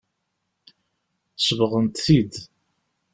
Sebɣent-t-id.